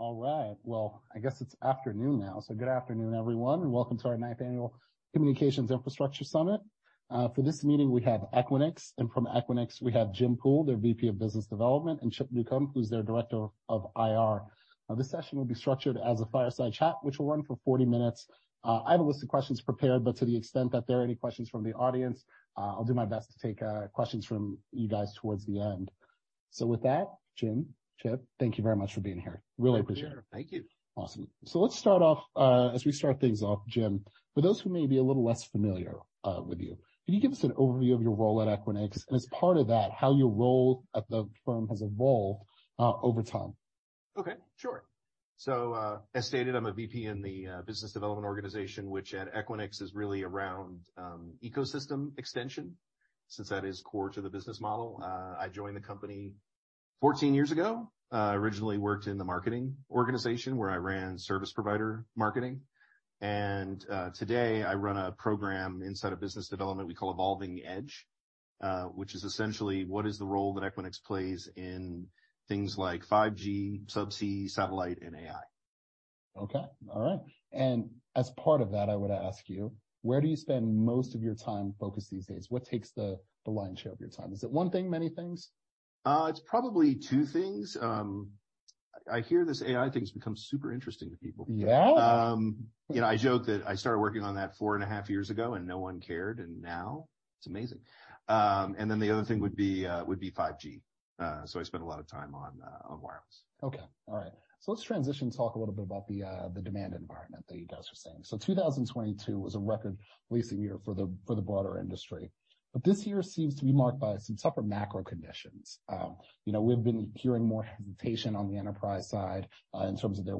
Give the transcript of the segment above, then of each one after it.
All right, well, I guess it's afternoon now, good afternoon, everyone, and welcome to our 9th Annual Communications Infrastructure Summit. For this meeting, we have Equinix, and from Equinix, we have Jim Poole, their VP of Business Development, and Chip Newcom, who's their Director of IR. This session will be structured as a fireside chat, which will run for 40 minutes. I have a list of questions prepared, to the extent that there are any questions from the audience, I'll do my best to take questions from you guys towards the end. With that, Jim, Chip, thank you very much for being here. Really appreciate it. Thank you. Awesome. Let's start off, as we start things off, Jim, for those who may be a little less familiar, with you, can you give us an overview of your role at Equinix, and as part of that, how your role at the firm has evolved, over time? Okay, sure. As stated, I'm a VP in the business development organization, which at Equinix is really around ecosystem extension, since that is core to the business model. I joined the company 14 years ago. I originally worked in the marketing organization, where I ran service provider marketing, and today I run a program inside of business development we call Evolving Edge, which is essentially what is the role that Equinix plays in things like 5G, subsea, satellite, and AI. Okay, all right. As part of that, I would ask you, where do you spend most of your time focused these days? What takes the lion's share of your time? Is it one thing, many things? It's probably two things. I hear this AI thing has become super interesting to people. Yeah! you know, I joke that I started working on that 4.5 years ago, and no one cared, and now it's amazing. The other thing would be 5G. I spend a lot of time on wireless. Okay. All right. Let's transition and talk a little bit about the demand environment that you guys are seeing. 2022 was a record leasing year for the broader industry, but this year seems to be marked by some tougher macro conditions. You know, we've been hearing more hesitation on the enterprise side in terms of their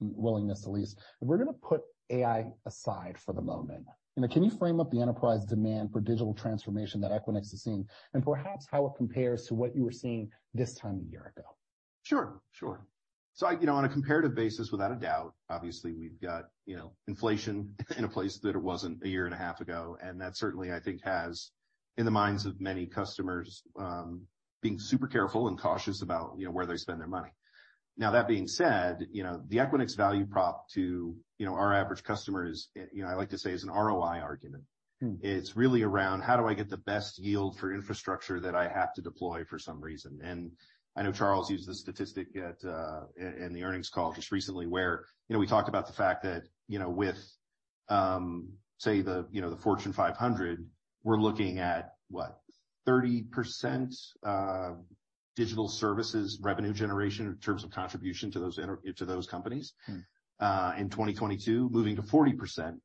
willingness to lease. If we're going to put AI aside for the moment, you know, can you frame up the enterprise demand for digital transformation that Equinix is seeing, and perhaps how it compares to what you were seeing this time a year ago? Sure, sure. You know, on a comparative basis, without a doubt, obviously we've got, you know, inflation in a place that it wasn't a year and a half ago, and that certainly, I think, has, in the minds of many customers, being super careful and cautious about, you know, where they spend their money. That being said, you know, the Equinix value prop to, you know, our average customer is, you know, I like to say, is an ROI argument. It's really around: How do I get the best yield for infrastructure that I have to deploy for some reason? I know Charles used the statistic at, in, in the earnings call just recently, where, you know, we talked about the fact that, you know, with, say the, you know, the Fortune 500, we're looking at, what? 30%, digital services, revenue generation, in terms of contribution to those inter- to those companies. In 2022, moving to 40%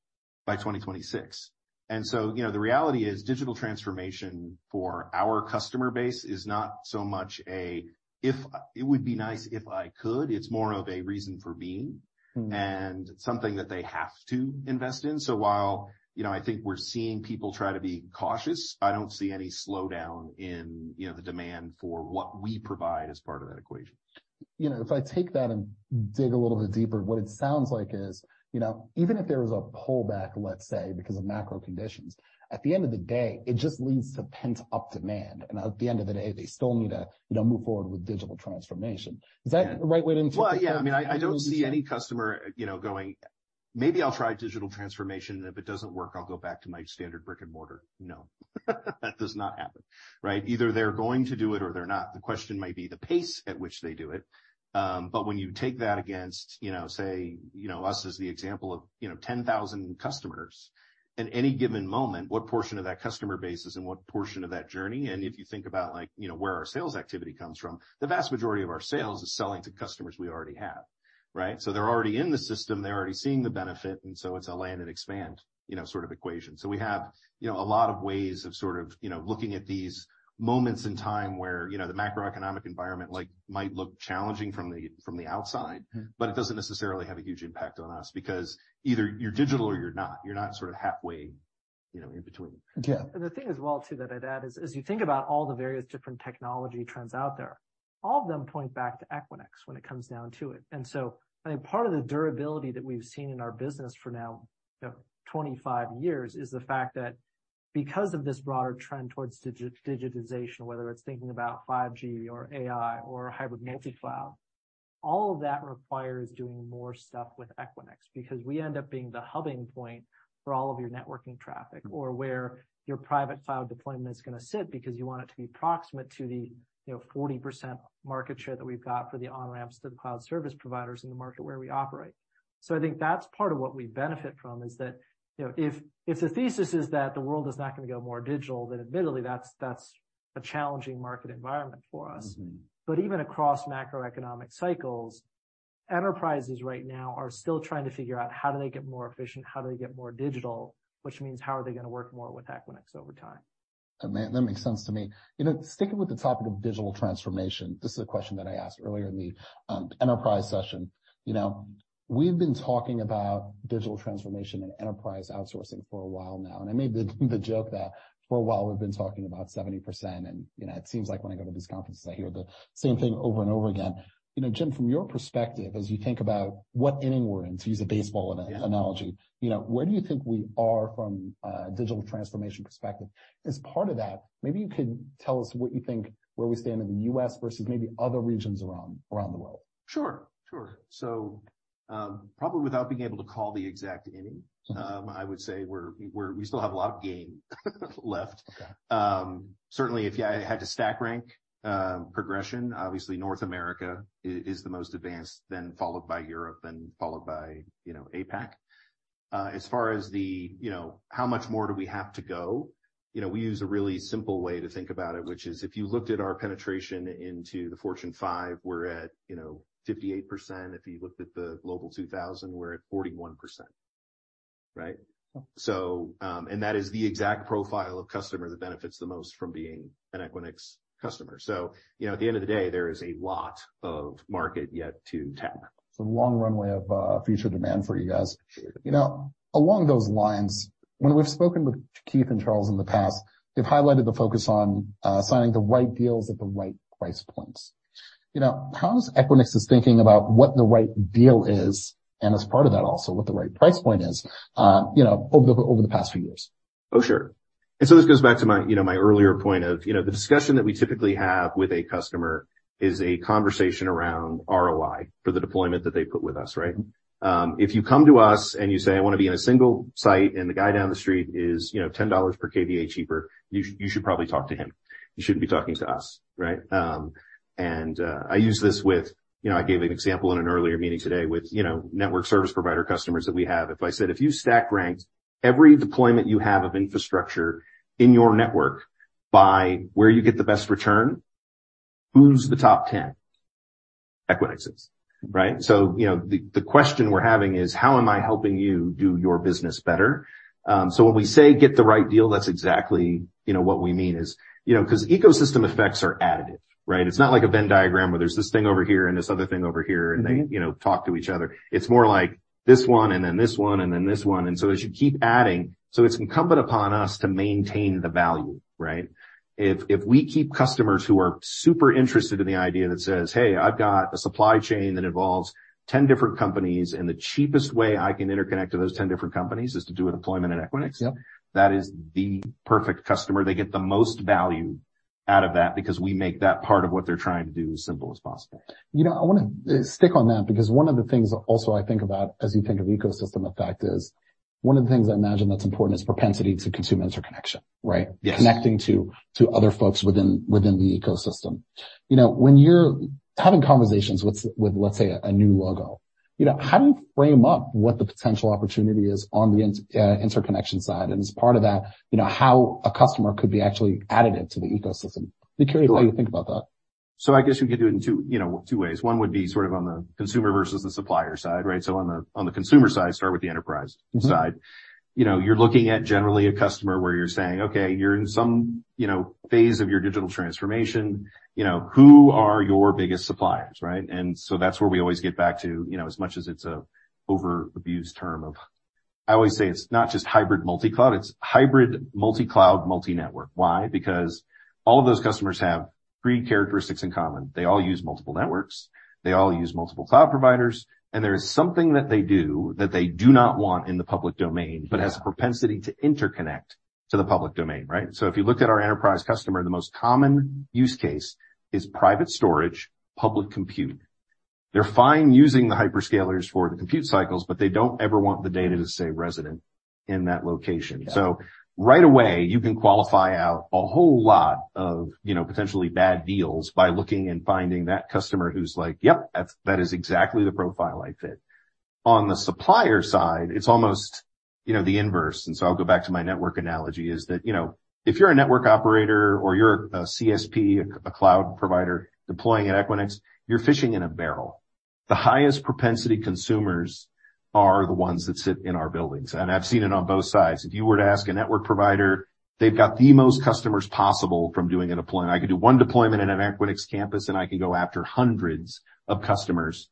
by 2026. you know, the reality is digital transformation for our customer base is not so much a if. It would be nice if I could. It's more of a reason for being and something that they have to invest in. While, you know, I think we're seeing people try to be cautious, I don't see any slowdown in, you know, the demand for what we provide as part of that equation. You know, if I take that and dig a little bit deeper, what it sounds like is, you know, even if there was a pullback, let's say, because of macro conditions, at the end of the day, it just leads to pent-up demand, and at the end of the day, they still need to, you know, move forward with digital transformation. Is that the right way to interpret it? Well, yeah. I mean, I, I don't see any customer, you know, going, "Maybe I'll try digital transformation, and if it doesn't work, I'll go back to my standard brick-and-mortar." No. That does not happen, right? Either they're going to do it or they're not. The question might be the pace at which they do it, but when you take that against, you know, say, you know us as the example of, you know, 10,000 customers, at any given moment, what portion of that customer base is in what portion of that journey? If you think about, like, you know, where our sales activity comes from, the vast majority of our sales is selling to customers we already have, right? They're already in the system, they're already seeing the benefit, and so it's a land and expand, you know, sort of equation. We have, you know, a lot of ways of sort of, you know, looking at these moments in time where, you know, the macroeconomic environment, like, might look challenging from the, from the outside. It doesn't necessarily have a huge impact on us, because either you're digital or you're not. You're not sort of halfway, you know, in between. Yeah. The thing as well, too, that I'd add is, as you think about all the various different technology trends out there, all of them point back to Equinix when it comes down to it. I think part of the durability that we've seen in our business for now, you know, 25 years, is the fact that because of this broader trend towards digitization, whether it's thinking about 5G or AI or hybrid multi-cloud, all of that requires doing more stuff with Equinix, because we end up being the hubbing point for all of your networking traffic, or where your private cloud deployment is going to sit, because you want it to be proximate to the, you know, 40% market share that we've got for the on-ramps to the cloud service providers in the market where we operate. I think that's part of what we benefit from, is that, you know, if, if the thesis is that the world is not going to go more digital, then admittedly, that's, that's a challenging market environment for us. Even across macroeconomic cycles, enterprises right now are still trying to figure out how do they get more efficient, how do they get more digital, which means how are they going to work more with Equinix over time? That makes, that makes sense to me. You know, sticking with the topic of digital transformation, this is a question that I asked earlier in the enterprise session. You know. We've been talking about digital transformation and enterprise outsourcing for a while now, and I made the, the joke that for a while we've been talking about 70%, and, you know, it seems like when I go to these conferences, I hear the same thing over and over again. You know, Jim, from your perspective, as you think about what inning we're in, to use a baseball analogy, you know, where do you think we are from a digital transformation perspective? As part of that, maybe you could tell us what you think, where we stand in the U.S. versus maybe other regions around, around the world. Sure. Sure. So Probably without being able to call the exact inning, I would say we still have a lot of game left. Okay. Certainly, if I had to stack rank progression, obviously North America is, is the most advanced, then followed by Europe, then followed by APAC. As far as the how much more do we have to go? You know, we use a really simple way to think about it, which is if you looked at our penetration into the Fortune 5, we're at 58%. If you looked at the Global 2000, we're at 41%, right? Okay. That is the exact profile of customer that benefits the most from being an Equinix customer. You know, at the end of the day, there is a lot of market yet to tap. It's a long runway of future demand for you guys. You know, along those lines, when we've spoken with Keith and Charles in the past, they've highlighted the focus on signing the right deals at the right price points. You know, how is Equinix thinking about what the right deal is, and as part of that, also, what the right price point is, you know, over the past few years? Oh, sure. This goes back to my, you know, my earlier point of, you know, the discussion that we typically have with a customer is a conversation around ROI for the deployment that they put with us, right? If you come to us and you say, "I want to be in a single site, and the guy down the street is, you know, $10 per KVA cheaper," you should, you should probably talk to him. You shouldn't be talking to us, right? I use this with. You know, I gave an example in an earlier meeting today with, you know, network service provider customers that we have. If I said, "If you stack ranked every deployment you have of infrastructure in your network by where you get the best return, who's the top 10? Equinix is." Right? You know, the, the question we're having is: How am I helping you do your business better? So when we say get the right deal, that's exactly, you know, what we mean is, you know, 'cause ecosystem effects are additive, right? It's not like a Venn diagram, where there's this thing over here and this other thing over here. They, you know, talk to each other. It's more like this one, and then this one, and then this one, and so as you keep adding-- It's incumbent upon us to maintain the value, right? If, if we keep customers who are super interested in the idea that says, "Hey, I've got a supply chain that involves 10 different companies, and the cheapest way I can interconnect to those 10 different companies is to do a deployment at Equinix. Yep. That is the perfect customer. They get the most value out of that because we make that part of what they're trying to do as simple as possible. You know, I want to, stick on that, because one of the things also I think about as you think of ecosystem effect is, one of the things I imagine that's important is propensity to consume interconnection, right? Yes. Connecting to, to other folks within, within the ecosystem. You know, when you're having conversations with, with, let's say, a new logo, you know, how do you frame up what the potential opportunity is on the interconnection side? As part of that, you know, how a customer could be actually additive to the ecosystem. I'd be curious- Sure. How you think about that. I guess you could do it in two, you know, two ways. One would be sort of on the consumer versus the supplier side, right? On the, on the consumer side, start with the enterprise side. You know, you're looking at generally a customer, where you're saying: Okay, you're in some, you know, phase of your digital transformation. You know, who are your biggest suppliers, right? So that's where we always get back to, you know, as much as it's an overused term, I always say, "It's not just hybrid multi-cloud, it's hybrid multi-cloud, multi-network." Why? Because all of those customers have three characteristics in common. They all use multiple networks, they all use multiple cloud providers, and there is something that they do that they do not want in the public domain. Has a propensity to interconnect to the public domain, right? If you looked at our enterprise customer, the most common use case is private storage, public compute. They're fine using the hyperscalers for the compute cycles, but they don't ever want the data to stay resident in that location. Right away, you can qualify out a whole lot of, you know, potentially bad deals by looking and finding that customer who's like: Yep, that's, that is exactly the profile I fit. On the supplier side, it's almost, you know, the inverse, and so I'll go back to my network analogy, is that, you know, if you're a network operator or you're a CSP, a, a cloud provider deploying at Equinix, you're fishing in a barrel. The highest propensity consumers are the ones that sit in our buildings, and I've seen it on both sides. If you were to ask a network provider, they've got the most customers possible from doing a deployment. I could do one deployment in an Equinix campus, and I can go after hundreds of customers.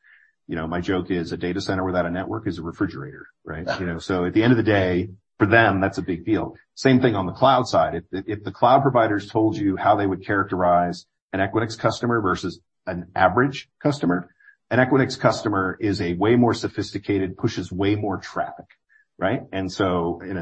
You know, my joke is: A data center without a network is a refrigerator, right? You know, at the end of the day, for them, that's a big deal. Same thing on the cloud side. If, if the cloud providers told you how they would characterize an Equinix customer versus an average customer, an Equinix customer is a way more sophisticated, pushes way more traffic, right? In,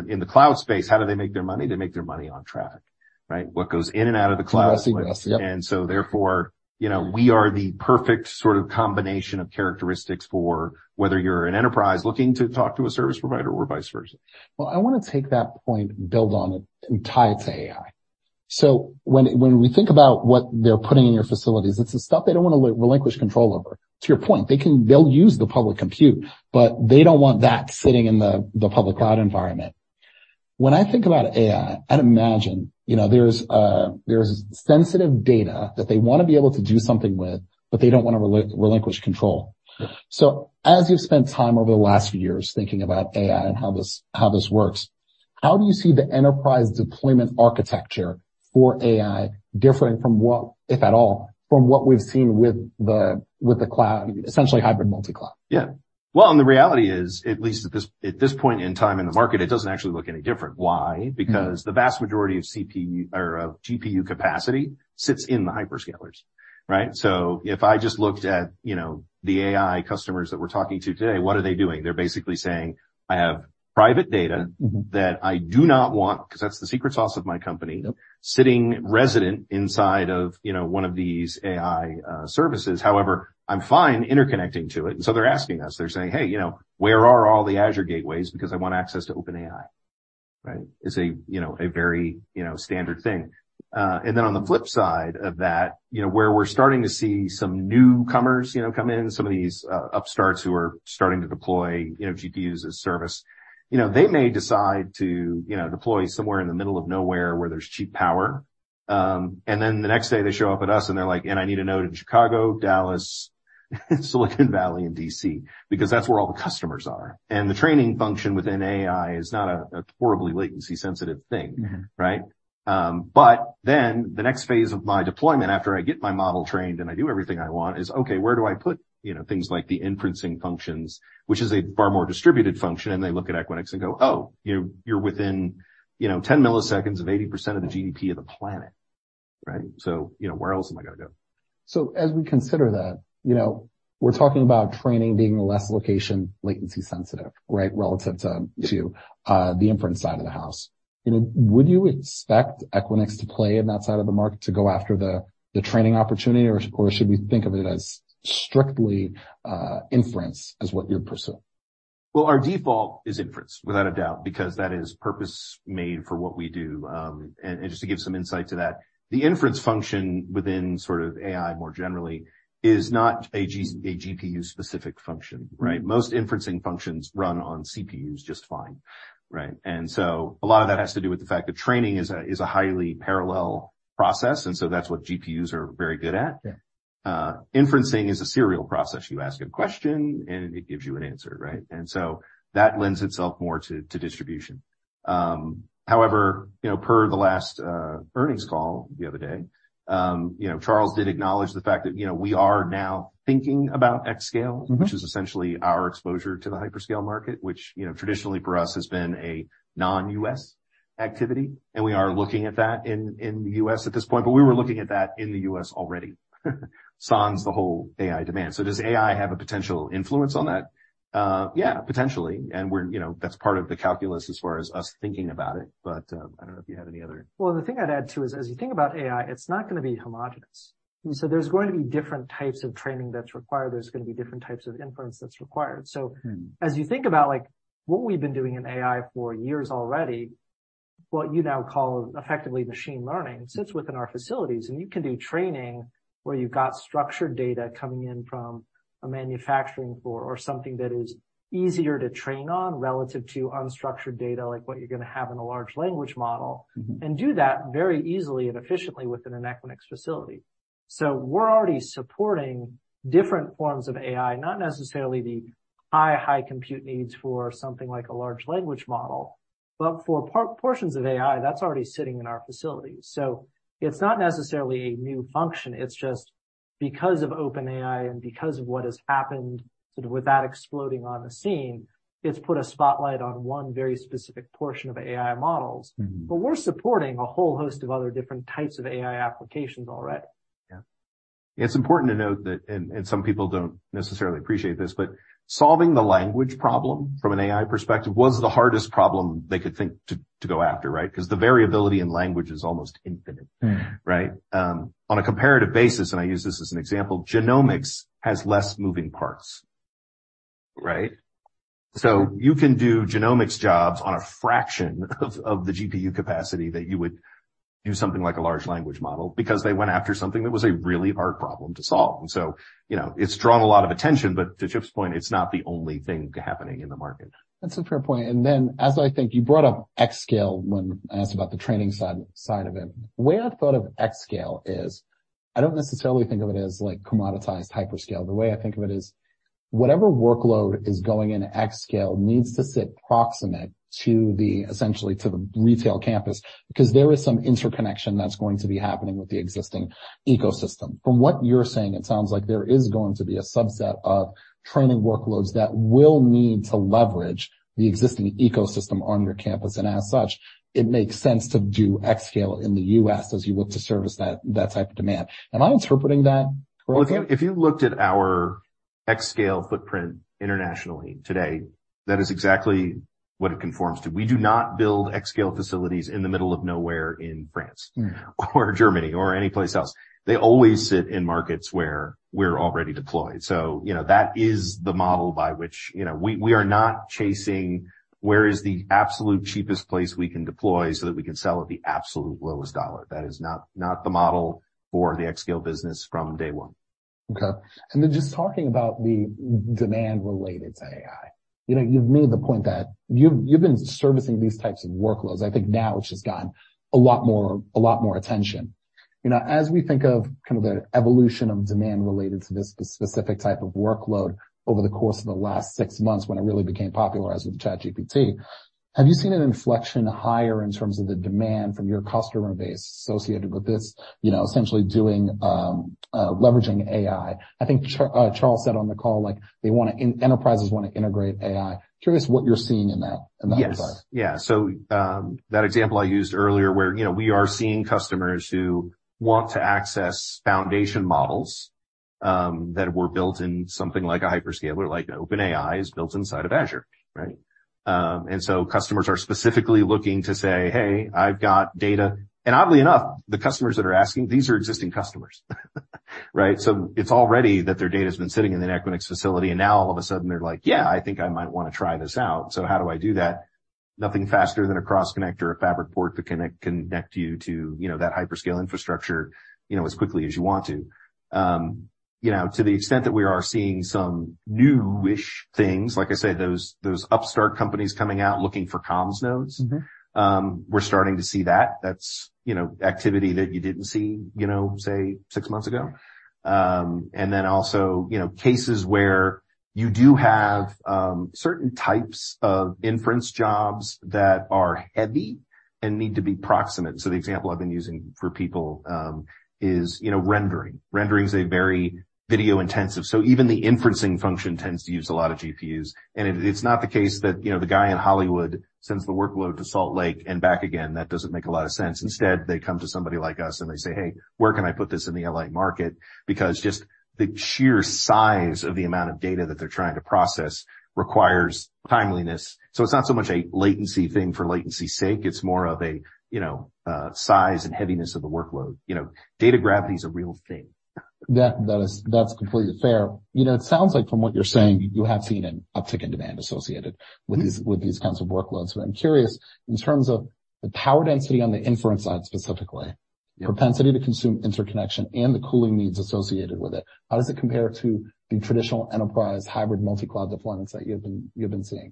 in the cloud space, how do they make their money? They make their money on traffic, right? What goes in and out of the cloud. Yes, yes. Yep. So therefore, you know, we are the perfect sort of combination of characteristics for whether you're an enterprise looking to talk to a service provider or vice versa. I want to take that point and build on it and tie it to AI. When, when we think about what they're putting in your facilities, it's the stuff they don't want to relinquish control over. To your point, they can. They'll use the public compute, but they don't want that sitting in the public cloud environment. When I think about AI, I'd imagine, you know, there's sensitive data that they want to be able to do something with, but they don't want to relinquish control. As you've spent time over the last few years thinking about AI and how this works. How do you see the enterprise deployment architecture for AI differing from what, if at all, from what we've seen with the cloud, essentially hybrid multi-cloud? Yeah. Well, the reality is, at least at this, at this point in time in the market, it doesn't actually look any different. Why? Because the vast majority of CPU or of GPU capacity sits in the hyperscalers, right? If I just looked at, you know, the AI customers that we're talking to today, what are they doing? They're basically saying, "I have private data that I do not want, 'cause that's the secret sauce of my company- Yep. sitting resident inside of, you know, one of these AI services. However, I'm fine interconnecting to it." They're asking us, they're saying, "Hey, you know, where are all the Azure gateways? Because I want access to OpenAI," right? It's a, you know, a very, you know, standard thing. On the flip side of that, you know, where we're starting to see some newcomers, you know, come in, some of these upstarts who are starting to deploy, you know, GPUs as service. You know, they may decide to, you know, deploy somewhere in the middle of nowhere where there's cheap power, and then the next day, they show up at us, and they're like, "I need a node in Chicago, Dallas, Silicon Valley, and D.C.," because that's where all the customers are. The training function within AI is not a horribly latency-sensitive thing. Right? Then the next phase of my deployment after I get my model trained and I do everything I want, is, okay, where do I put, you know, things like the inferencing functions, which is a far more distributed function, and they look at Equinix and go, "Oh, you know, you're within, you know, 10 milliseconds of 80% of the GDP of the planet," right? "So, you know, where else am I gonna go? As we consider that, you know, we're talking about training being less location, latency sensitive, right, relative to, to, the inference side of the house. You know, would you expect Equinix to play in that side of the market to go after the, the training opportunity, or, or should we think of it as strictly, inference as what you'd pursue? Well, our default is inference, without a doubt, because that is purpose-made for what we do. Just to give some insight to that, the inference function within sort of AI more generally is not a GPU-specific function, right? Most inferencing functions run on CPUs just fine, right? So a lot of that has to do with the fact that training is a, is a highly parallel process, and so that's what GPUs are very good at. Inferencing is a serial process. You ask a question, and it gives you an answer, right? That lends itself more to, to distribution. However, you know, per the last earnings call the other day, you know, Charles did acknowledge the fact that, you know, we are now thinking about xScale. which is essentially our exposure to the hyperscale market, which, you know, traditionally for us, has been a non-U.S. activity, and we are looking at that in, in the U.S. at this point. We were looking at that in the U.S. already, sans the whole AI demand. Does AI have a potential influence on that? Yeah, potentially, and we're, you know, that's part of the calculus as far as us thinking about it, but, I don't know if you have any other. Well, the thing I'd add, too, is as you think about AI, it's not gonna be homogenous. There's going to be different types of training that's required. There's gonna be different types of inference that's required. As you think about, like, what we've been doing in AI for years already, what you now call effectively machine learning, sits within our facilities, and you can do training where you've got structured data coming in from a manufacturing floor, or something that is easier to train on relative to unstructured data, like what you're gonna have in a large language model. Do that very easily and efficiently within an Equinix facility. We're already supporting different forms of AI, not necessarily the high, high compute needs for something like a large language model, but for portions of AI, that's already sitting in our facilities. It's not necessarily a new function. It's just because of OpenAI and because of what has happened, sort of with that exploding on the scene, it's put a spotlight on one very specific portion of AI models. We're supporting a whole host of other different types of AI applications already. Yeah. It's important to note that, and, and some people don't necessarily appreciate this, but solving the language problem from an AI perspective was the hardest problem they could think to, to go after, right? Because the variability in language is almost infinite. Right? On a comparative basis, and I use this as an example, genomics has less moving parts, right? You can do genomics jobs on a fraction of, of the GPU capacity, that you would do something like a large language model, because they went after something that was a really hard problem to solve. You know, it's drawn a lot of attention, but to Chip's point, it's not the only thing happening in the market. That's a fair point. As I think you brought up xScale when I asked about the training side of it. The way I thought of xScale is, I don't necessarily think of it as like commoditized hyperscale. The way I think of it is, whatever workload is going into xScale needs to sit proximate to essentially, to the retail campus, because there is some interconnection that's going to be happening with the existing ecosystem. From what you're saying, it sounds like there is going to be a subset of training workloads that will need to leverage the existing ecosystem on your campus, and as such, it makes sense to do xScale in the U.S. as you look to service that type of demand. Am I interpreting that correctly? Well, if you, if you looked at our xScale footprint internationally today, that is exactly what it conforms to. We do not build xScale facilities in the middle of nowhere in France or Germany, or anyplace else. They always sit in markets where we're already deployed. You know, that is the model by which. You know, we, we are not chasing where is the absolute cheapest place we can deploy, so that we can sell at the absolute lowest dollar. That is not, not the model for the xScale business from day one. Okay. Then, just talking about the demand related to AI. You know, you've made the point that you've, you've been servicing these types of workloads, I think now, which has gotten a lot more, a lot more attention. You know, as we think of kind of the evolution of demand related to this specific type of workload over the course of the last 6 months, when it really became popularized with ChatGPT, have you seen an inflection higher in terms of the demand from your customer base associated with this, you know, essentially doing, leveraging AI? I think Charles said on the call, like, enterprises want to integrate AI. Curious what you're seeing in that, in that regard? Yes. Yeah. That example I used earlier where, you know, we are seeing customers who want to access foundation models, that were built in something like a hyperscaler, like OpenAI is built inside of Azure, right? Customers are specifically looking to say, "Hey, I've got data." Oddly enough, the customers that are asking, these are existing customers, right? It's already that their data's been sitting in an Equinix facility, and now all of a sudden they're like, "Yeah, I think I might want to try this out. So how do I do that?" Nothing faster than a cross connect or a fabric port to connect you to, you know, that hyperscale infrastructure, you know, as quickly as you want to. You know, to the extent that we are seeing some new-ish things, like I said, those, those upstart companies coming out looking for comms nodes. We're starting to see that. That's, you know, activity that you didn't see, you know, say, six months ago. Also, you know, cases where you do have certain types of inference jobs that are heavy and need to be proximate. The example I've been using for people, is, you know, rendering. Rendering is a very video intensive, so even the inferencing function tends to use a lot of GPUs. It-it's not the case that, you know, the guy in Hollywood sends the workload to Salt Lake and back again. That doesn't make a lot of sense. Instead, they come to somebody like us, and they say, "Hey, where can I put this in the L.A. market?" Just the sheer size of the amount of data that they're trying to process requires timeliness. It's not so much a latency thing for latency's sake. It's more of a, you know, size and heaviness of the workload. You know, data gravity is a real thing. That that's completely fair. You know, it sounds like from what you're saying, you have seen an uptick in demand associated with these, with these kinds of workloads. I'm curious, in terms of the power density on the inference side, specifically? propensity to consume interconnection and the cooling needs associated with it, how does it compare to the traditional enterprise hybrid multi-cloud deployments that you have been, you have been seeing?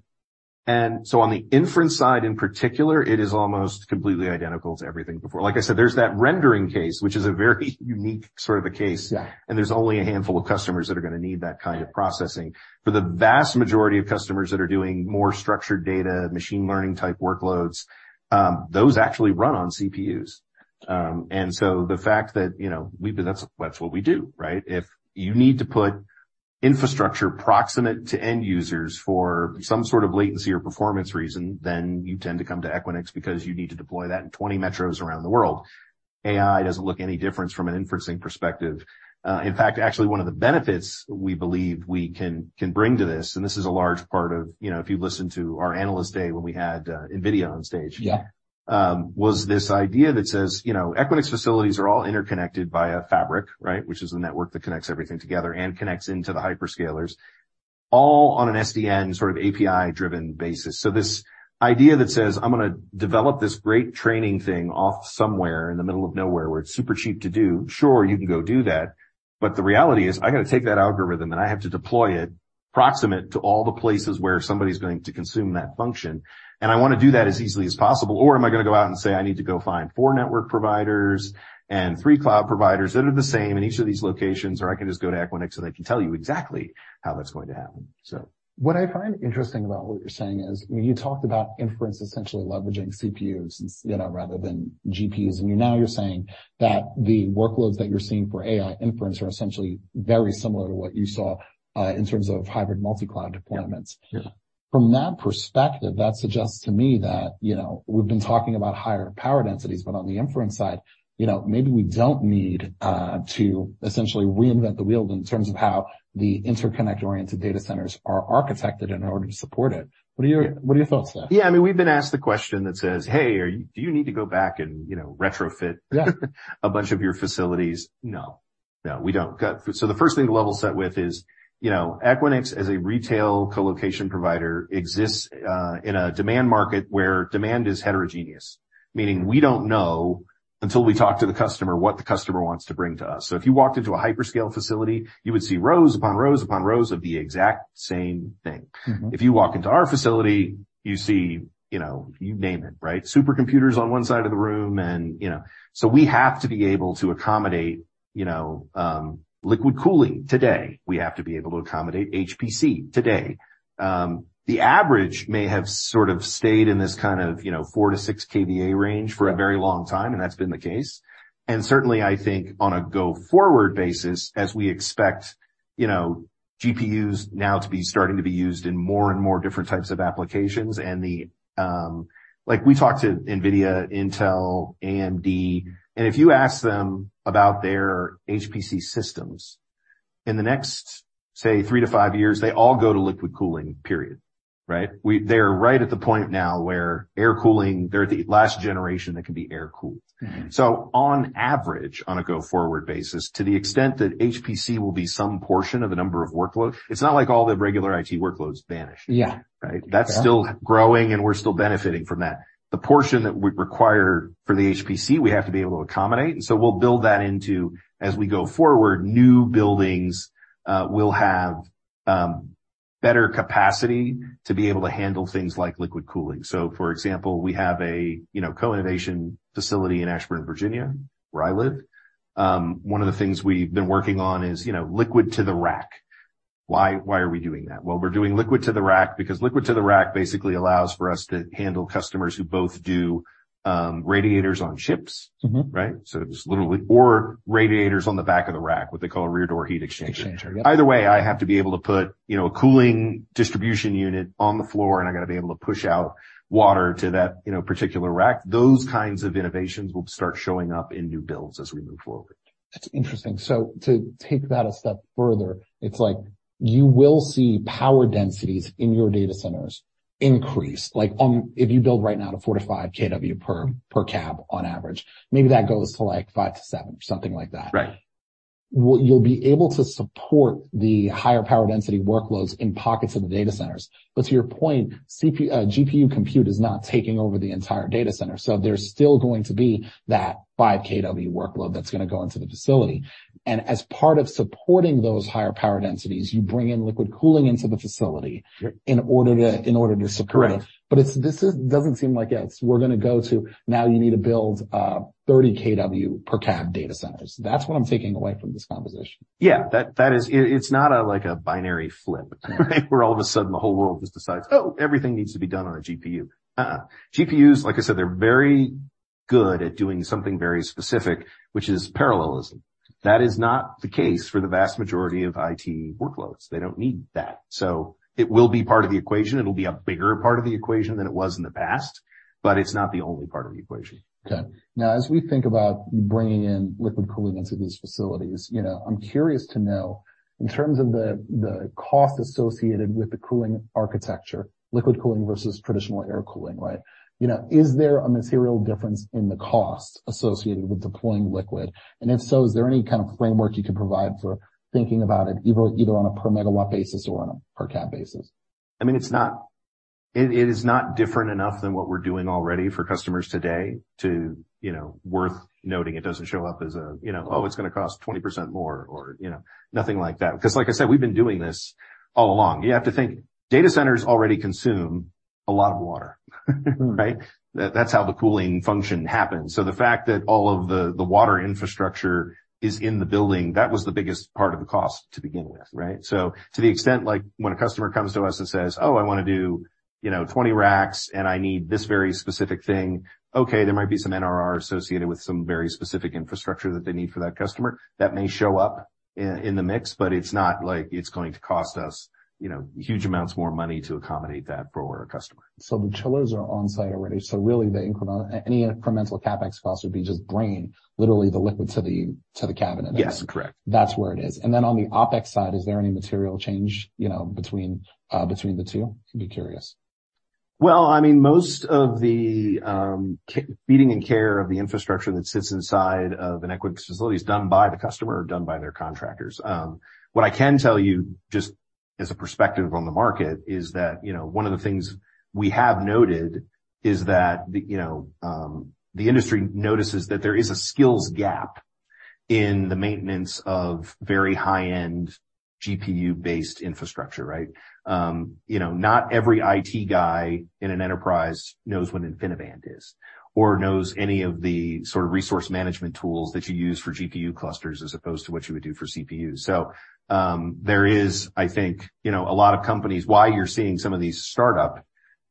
On the inference side, in particular, it is almost completely identical to everything before. Like I said, there's that rendering case, which is a very unique sort of a case. There's only a handful of customers that are going to need that kind of processing. For the vast majority of customers that are doing more structured data, machine learning type workloads, those actually run on CPUs. So the fact that, you know, we've been. That's, that's what we do, right? If you need to put infrastructure proximate to end users for some sort of latency or performance reason, then you tend to come to Equinix because you need to deploy that in 20 metros around the world. AI doesn't look any different from an inferencing perspective. In fact, actually, one of the benefits we believe we can, can bring to this, and this is a large part of, you know, if you listen to our Analyst Day when we had NVIDIA on stage- Was this idea that says, you know, Equinix facilities are all interconnected by a fabric, right, which is a network that connects everything together and connects into the hyperscalers, all on an SDN, sort of API-driven basis. This idea that says, I'm gonna develop this great training thing off somewhere in the middle of nowhere, where it's super cheap to do. Sure, you can go do that. The reality is, I got to take that algorithm, and I have to deploy it proximate to all the places where somebody's going to consume that function, and I want to do that as easily as possible. Am I going to go out and say, I need to go find 4 network providers and 3 cloud providers that are the same in each of these locations, or I can just go to Equinix, and they can tell you exactly how that's going to happen. What I find interesting about what you're saying is, when you talked about inference, essentially leveraging CPUs, you know, rather than GPUs, and now you're saying that the workloads that you're seeing for AI inference are essentially very similar to what you saw in terms of hybrid multi-cloud deployments. From that perspective, that suggests to me that, you know, we've been talking about higher power densities. On the inference side, you know, maybe we don't need to essentially reinvent the wheel in terms of how the interconnect-oriented data centers are architected in order to support it. What are your thoughts there? Yeah, I mean, we've been asked the question that says: Hey, do you need to go back and, you know, retrofit a bunch of your facilities? No. No, we don't. The first thing to level set with is, you know, Equinix, as a retail colocation provider, exists in a demand market where demand is heterogeneous. Meaning, we don't know until we talk to the customer, what the customer wants to bring to us. If you walked into a hyperscale facility, you would see rows upon rows upon rows of the exact same thing. If you walk into our facility, you see, you know, you name it, right? Supercomputers on one side of the room and, you know. We have to be able to accommodate, you know, liquid cooling today. We have to be able to accommodate HPC today. The average may have sort of stayed in this kind of, you know, 4-6 KVA range for a very long time, and that's been the case. Certainly, I think on a go-forward basis, as we expect, you know, GPUs now to be starting to be used in more and more different types of applications, and the. Like, we talked to NVIDIA, Intel, AMD, and if you ask them about their HPC systems, in the next, say, 3-5 years, they all go to liquid cooling, period. Right? They are right at the point now where air cooling, they're the last generation that can be air-cooled. On average, on a go-forward basis, to the extent that HPC will be some portion of the number of workloads, it's not like all the regular IT workloads vanished. Right? That's still growing, and we're still benefiting from that. The portion that we require for the HPC, we have to be able to accommodate, and so we'll build that into, as we go forward, new buildings, will have better capacity to be able to handle things like liquid cooling. For example, we have a, you know, co-innovation facility in Ashburn, Virginia, where I live. One of the things we've been working on is, you know, liquid to the rack. Why, why are we doing that? Well, we're doing liquid to the rack because liquid to the rack basically allows for us to handle customers who both do radiators on chips. Right? just literally, or radiators on the back of the rack, what they call a rear door heat exchanger. Either way, I have to be able to put, you know, a cooling distribution unit on the floor, and I've got to be able to push out water to that, you know, particular rack. Those kinds of innovations will start showing up in new builds as we move forward. That's interesting. To take that a step further, it's like you will see power densities in your data centers increase. Like, if you build right now to 4-5 KW per, per cab on average, maybe that goes to, like, 5-7 or something like that. Right. Well, you'll be able to support the higher power density workloads in pockets of the data centers. To your point, CPU, GPU compute is not taking over the entire data center, so there's still going to be that 5 KW workload that's gonna go into the facility. As part of supporting those higher power densities, you bring in liquid cooling into the facility- Sure. in order to, in order to support it. Correct. It's, this doesn't seem like it's we're gonna go to now you need to build, 30 KW per cab data centers. That's what I'm taking away from this conversation. Yeah, that is. It's not a, like a binary flip, right? Where all of a sudden the whole world just decides, "Oh, everything needs to be done on a GPU." Uh-uh. GPUs, like I said, they're very good at doing something very specific, which is parallelism. That is not the case for the vast majority of IT workloads. They don't need that. It will be part of the equation, it'll be a bigger part of the equation than it was in the past, but it's not the only part of the equation. Okay. Now, as we think about bringing in liquid cooling into these facilities, you know, I'm curious to know, in terms of the, the cost associated with the cooling architecture, liquid cooling versus traditional air cooling, right? You know, is there a material difference in the cost associated with deploying liquid? If so, is there any kind of framework you can provide for thinking about it, either, either on a per megawatt basis or on a per cab basis? I mean, it's not, it, it is not different enough than what we're doing already for customers today to, you know, worth noting. It doesn't show up as a, you know, "Oh, it's gonna cost 20% more," or, you know, nothing like that. Because like I said, we've been doing this all along. You have to think, data centers already consume a lot of water, right? That-that's how the cooling function happens. The fact that all of the, the water infrastructure is in the building, that was the biggest part of the cost to begin with, right? To the extent, like, when a customer comes to us and says, "Oh, I wanna do, you know, 20 racks, and I need this very specific thing," okay, there might be some NRR associated with some very specific infrastructure that they need for that customer. That may show up in, in the mix, but it's not like it's going to cost us, you know, huge amounts more money to accommodate that for a customer. The chillers are on site already. Really, any incremental CapEx costs would be just bringing literally the liquid to the, to the cabinet. Yes, correct. That's where it is. Then on the OpEx side, is there any material change, you know, between between the two? I'd be curious. Well, I mean, most of the feeding and care of the infrastructure that sits inside of an Equinix facility is done by the customer or done by their contractors. What I can tell you, just as a perspective on the market, is that, you know, one of the things we have noted is that, you know, the industry notices that there is a skills gap in the maintenance of very high-end GPU-based infrastructure, right? You know, not every IT guy in an enterprise knows what InfiniBand is, or knows any of the sort of resource management tools that you use for GPU clusters, as opposed to what you would do for CPU. There is, I think, you know, a lot of companies, why you're seeing some of these startup,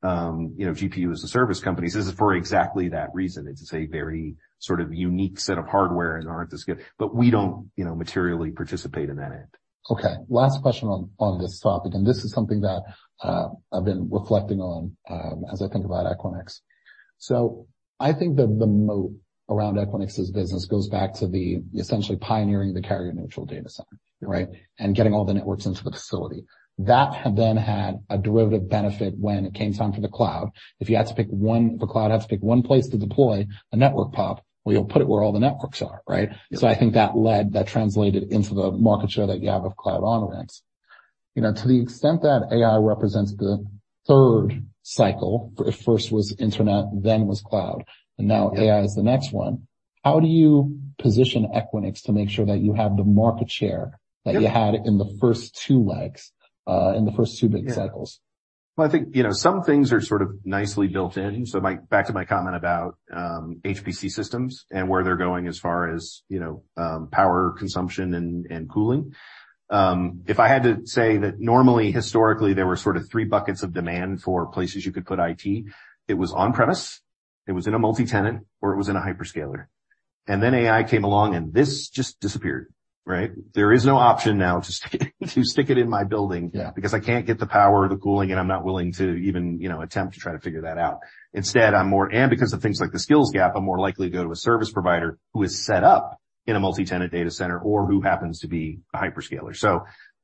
you know, GPU-as-a-service companies, is for exactly that reason. It's a very sort of unique set of hardware and aren't as good. We don't, you know, materially participate in that end. Okay, last question on, on this topic. This is something that, I've been reflecting on, as I think about Equinix. I think that the moat around Equinix's business goes back to the essentially pioneering the carrier-neutral data center, right? Getting all the networks into the facility. That then had a derivative benefit when it came time for the cloud. If you had to pick one, the cloud had to pick one place to deploy a network pop, well, you'll put it where all the networks are, right? I think that led, that translated into the market share that you have of cloud on-ramps. You know, to the extent that AI represents the third cycle, the first was internet, then was cloud, and now AI is the next one. How do you position Equinix to make sure that you have the market share- Yep. that you had in the first two legs, in the first two big cycles? Well, I think, you know, some things are sort of nicely built in. My-- back to my comment about HPC systems and where they're going as far as, you know, power consumption and, and cooling. If I had to say that normally, historically, there were sort of 3 buckets of demand for places you could put IT, it was on premise, it was in a multi-tenant, or it was in a hyperscaler. AI came along, and this just disappeared, right? There is no option now to, to stick it in my building because I can't get the power, the cooling, and I'm not willing to even, you know, attempt to try to figure that out. Instead, because of things like the skills gap, I'm more likely to go to a service provider who is set up in a multi-tenant data center or who happens to be a hyperscaler.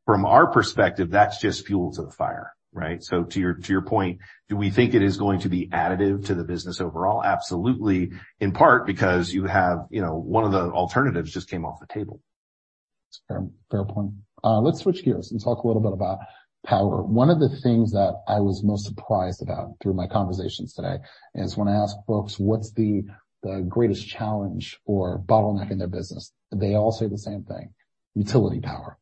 From our perspective, that's just fuel to the fire, right? To your, to your point, do we think it is going to be additive to the business overall? Absolutely. In part because you have, you know, one of the alternatives just came off the table. Fair, fair point. Let's switch gears and talk a little bit about power. One of the things that I was most surprised about through my conversations today is when I ask folks: What's the, the greatest challenge or bottleneck in their business? They all say the same thing, utility power.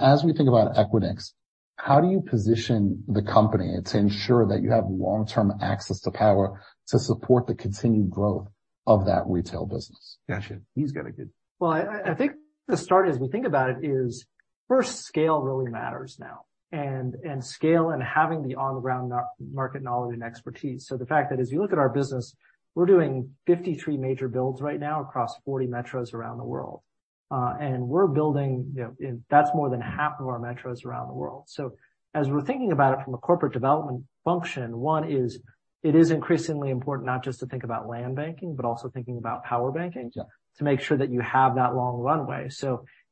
As we think about Equinix, how do you position the company to ensure that you have long-term access to power to support the continued growth of that retail business? Gotcha. He's got a good. Well, I, I think the start, as we think about it, is first, scale really matters now, and, and scale and having the on-the-ground market knowledge and expertise. The fact that as you look at our business, we're doing 53 major builds right now across 40 metros around the world. We're building, you know, that's more than half of our metros around the world. As we're thinking about it from a corporate development function, one is, it is increasingly important not just to think about land banking, but also thinking about power banking. To make sure that you have that long runway.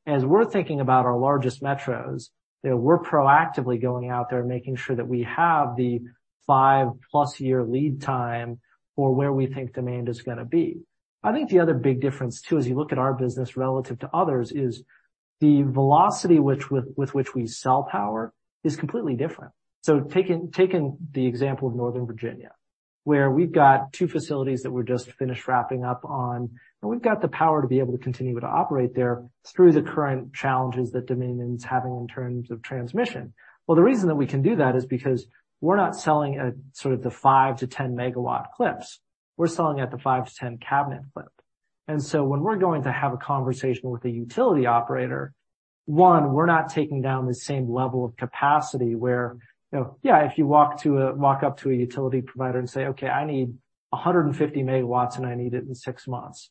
As we're thinking about our largest metros, you know, we're proactively going out there and making sure that we have the 5-plus year lead time for where we think demand is going to be. I think the other big difference, too, as you look at our business relative to others, is the velocity with, with which we sell power is completely different. Taking, taking the example of Northern Virginia, where we've got 2 facilities that we're just finished wrapping up on, and we've got the power to be able to continue to operate there through the current challenges that Dominion is having in terms of transmission. The reason that we can do that is because we're not selling a sort of the 5-10 MW clips. We're selling at the 5-10 cabinet clip. When we're going to have a conversation with a utility operator, one, we're not taking down the same level of capacity where, you know, yeah, if you walk up to a utility provider and say, "Okay, I need 150 megawatts, and I need it in 6 months."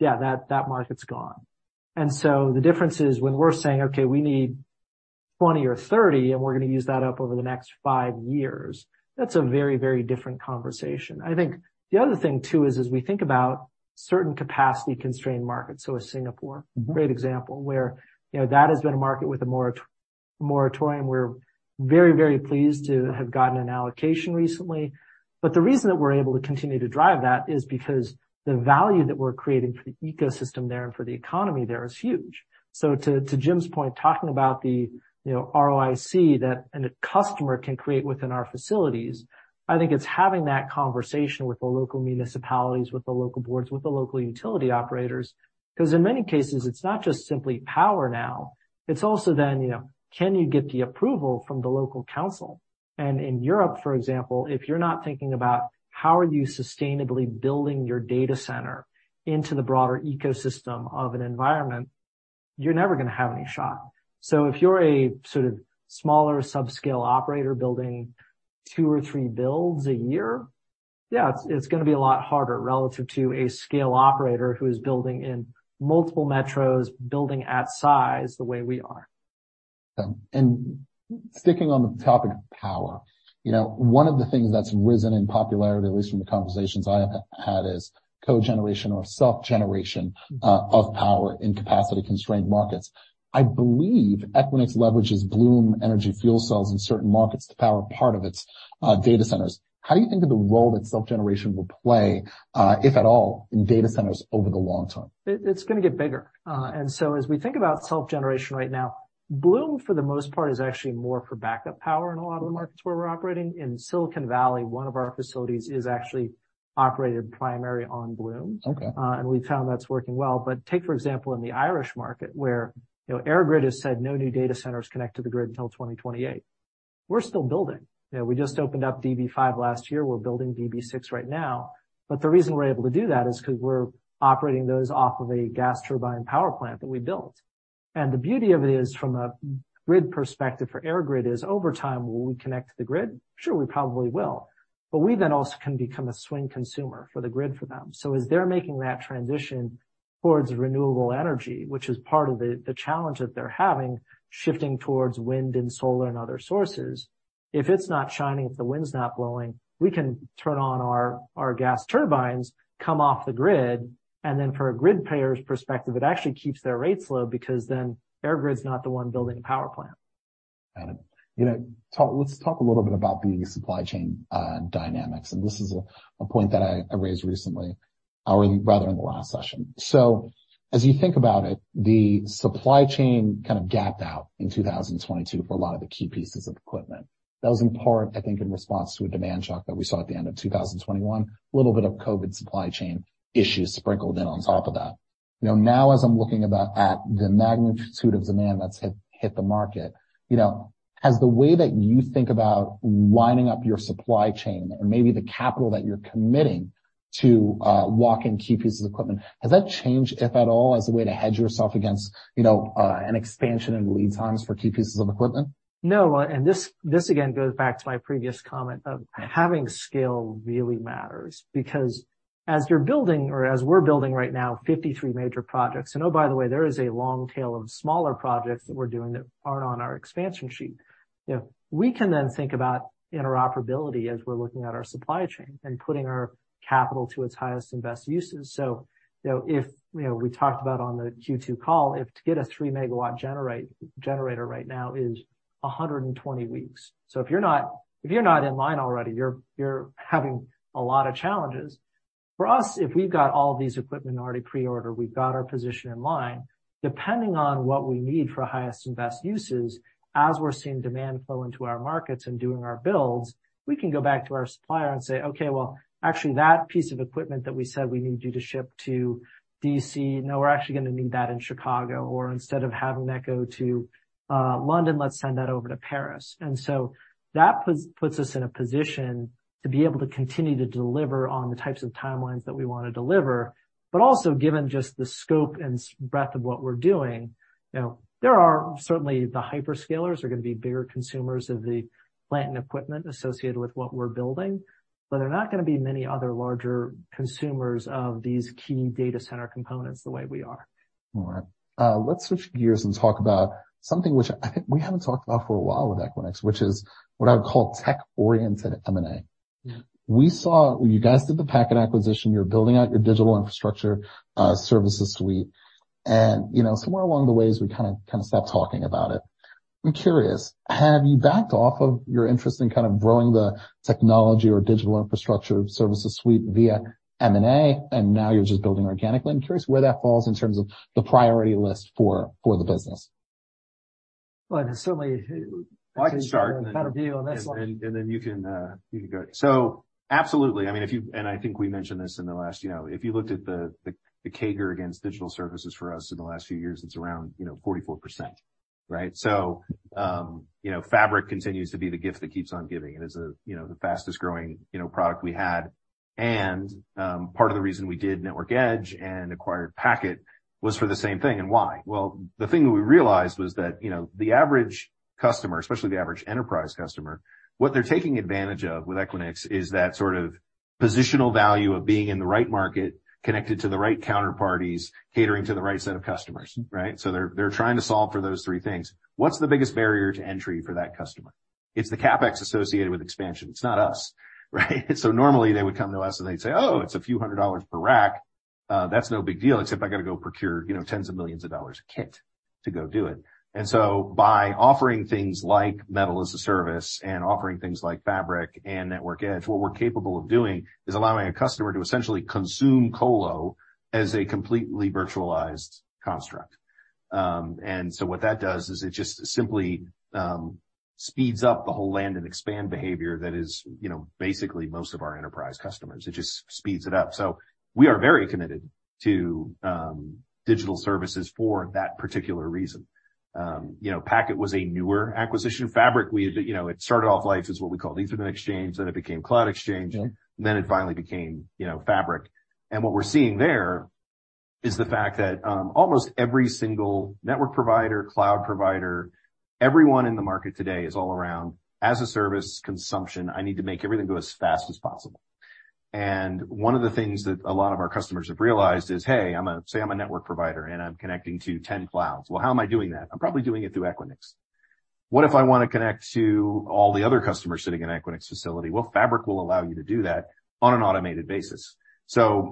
Yeah, that, that market's gone. The difference is when we're saying, "Okay, we need 20 or 30, and we're going to use that up over the next 5 years," that's a very, very different conversation. I think the other thing, too, is, as we think about certain capacity-constrained markets, so a Singapore. Great example, where, you know, that has been a market with a moratorium. We're very, very pleased to have gotten an allocation recently. The reason that we're able to continue to drive that is because the value that we're creating for the ecosystem there and for the economy there is huge. To, to Jim's point, talking about the, you know, ROIC, that a customer can create within our facilities, I think it's having that conversation with the local municipalities, with the local boards, with the local utility operators. 'Cause in many cases, it's not just simply power now, it's also then, you know, can you get the approval from the local council? In Europe, for example, if you're not thinking about how are you sustainably building your data center into the broader ecosystem of an environment, you're never going to have any shot. If you're a sort of smaller sub-scale operator building two or three builds a year, yeah, it's, it's going to be a lot harder relative to a scale operator who is building in multiple metros, building at size the way we are. Sticking on the topic of power, you know, one of the things that's risen in popularity, at least from the conversations I have had, is cogeneration or self-generation of power in capacity-constrained markets. I believe Equinix leverages Bloom Energy fuel cells in certain markets to power part of its data centers. How do you think of the role that self-generation will play, if at all, in data centers over the long term? It, it's going to get bigger. So as we think about self-generation right now, Bloom, for the most part, is actually more for backup power in a lot of the markets where we're operating. In Silicon Valley, one of our facilities is actually operated primarily on Bloom. Okay. We found that's working well. Take, for example, in the Irish market, where, you know, EirGrid has said, "No new data centers connect to the grid until 2028." We're still building. You know, we just opened up DB5 last year. We're building DB6 right now. The reason we're able to do that is 'cause we're operating those off of a gas turbine power plant that we built. The beauty of it is, from a grid perspective for EirGrid, is over time, will we connect to the grid? Sure, we probably will. We then also can become a swing consumer for the grid for them. As they're making that transition towards renewable energy, which is part of the, the challenge that they're having, shifting towards wind and solar and other sources. If it's not shining, if the wind's not blowing, we can turn on our, our gas turbines, come off the grid, and then from a grid payer's perspective, it actually keeps their rates low because then EirGrid's not the one building a power plant. Got it. You know, let's talk a little bit about the supply chain dynamics, and this is a, a point that I, I raised recently, or rather in the last session. As you think about it, the supply chain kind of gapped out in 2022 for a lot of the key pieces of equipment. That was in part, I think, in response to a demand shock that we saw at the end of 2021. A little bit of COVID supply chain issues sprinkled in on top of that. You know, now as I'm looking about, at the magnitude of demand that's hit the market, you know, has the way that you think about winding up your supply chain or maybe the capital that you're committing to lock in key pieces of equipment, has that changed, if at all, as a way to hedge yourself against, you know, an expansion in lead times for key pieces of equipment? No, this, this again, goes back to my previous comment of having scale really matters because as you're building or as we're building right now, 53 major projects, and oh, by the way, there is a long tail of smaller projects that we're doing that aren't on our expansion sheet. You know, we can then think about interoperability as we're looking at our supply chain and putting our capital to its highest and best uses. If, you know, we talked about on the Q2 call, if to get a 3 megawatt generator right now is 120 weeks. If you're not, if you're not in line already, you're, you're having a lot of challenges. For us, if we've got all these equipment already pre-ordered, we've got our position in line, depending on what we need for highest and best uses, as we're seeing demand flow into our markets and doing our builds, we can go back to our supplier and say: Okay, well, actually, that piece of equipment that we said we need you to ship to D.C., no, we're actually gonna need that in Chicago, or instead of having that go to London, let's send that over to Paris. That puts, puts us in a position to be able to continue to deliver on the types of timelines that we want to deliver. Also, given just the scope and breadth of what we're doing, you know, there are certainly the hyperscalers are gonna be bigger consumers of the plant and equipment associated with what we're building, but they're not gonna be many other larger consumers of these key data center components the way we are. All right. Let's switch gears and talk about something which I think we haven't talked about for a while with Equinix, which is what I would call tech-oriented M&A. We saw you guys did the Packet acquisition. You're building out your digital infrastructure services suite, and, you know, somewhere along the ways, we kind of stopped talking about it. I'm curious, have you backed off of your interest in kind of growing the technology or digital infrastructure services suite via M&A, and now you're just building organically? I'm curious where that falls in terms of the priority list for the business. Well, certainly- I can start. Better view on this one. And, and then you can, you can go. Absolutely. I mean, if you and I think we mentioned this in the last, you know, if you looked at the, the CAGR against digital services for us in the last few years, it's around, you know, 44%, right? You know, Fabric continues to be the gift that keeps on giving, and is a, you know, the fastest-growing, you know, product we had. Part of the reason we did Network Edge and acquired Packet was for the same thing. Why? Well, the thing that we realized was that, you know, the average customer, especially the average enterprise customer, what they're taking advantage of with Equinix is that sort of positional value of being in the right market, connected to the right counterparties, catering to the right set of customers, right? They're, they're trying to solve for those 3 things. What's the biggest barrier to entry for that customer? It's the CapEx associated with expansion. It's not us, right? Normally they would come to us, and they'd say, "Oh, it's a few hundred dollars per rack. That's no big deal, except I got to go procure, you know, tens of millions of dollars a kit to go do it." By offering things like metal-as-a-service and offering things like Fabric and Network Edge, what we're capable of doing is allowing a customer to essentially consume colo as a completely virtualized construct. What that does is it just simply speeds up the whole land-and-expand behavior that is, you know, basically most of our enterprise customers. It just speeds it up. We are very committed to digital services for that particular reason. you know, Packet was a newer acquisition. Fabric, we, you know, it started off life as what we call Ethernet Exchange, then it became Cloud Exchange. It finally became, you know, Fabric. What we're seeing there is the fact that almost every single network provider, cloud provider, everyone in the market today is all around as-a-service consumption. I need to make everything go as fast as possible. One of the things that a lot of our customers have realized is, hey, say, I'm a network provider, and I'm connecting to 10 clouds. Well, how am I doing that? I'm probably doing it through Equinix. What if I want to connect to all the other customers sitting in Equinix facility? Well, Fabric will allow you to do that on an automated basis.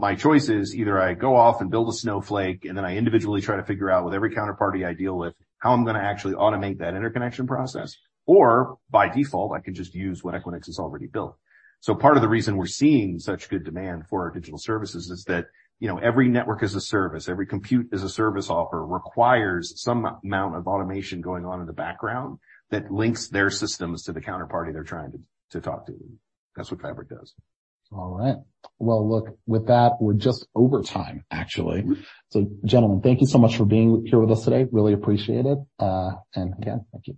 My choice is, either I go off and build a snowflake, and then I individually try to figure out, with every counterparty I deal with, how I'm gonna actually automate that interconnection process, or by default, I can just use what Equinix has already built. Part of the reason we're seeing such good demand for our digital services is that, you know, every network as a service, every compute as a service offer, requires some amount of automation going on in the background that links their systems to the counterparty they're trying to, to talk to. That's what Fabric does. All right. Well, look, with that, we're just over time actually. Gentlemen, thank you so much for being here with us today. Really appreciate it. Again, thank you.